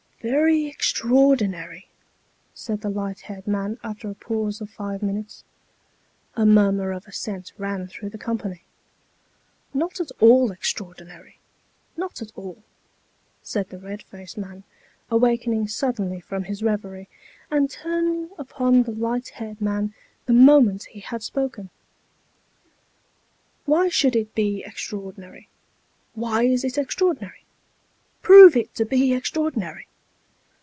" Very extraordinary !" said the light haired man after a pause of five minutes. A murmur of assent ran through the company. "Not at all extraordinary not at all," said the red faced man, awakening suddenly from his reverie, and turning upon the light haired man, the moment he had spoken. "Why should it be extraordinary? why is it extraordinary? prove it to be extraordinary